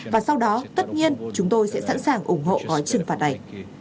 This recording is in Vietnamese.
và sau đó tất nhiên chúng tôi sẽ sẵn sàng ủng hộ gói trừng phạt này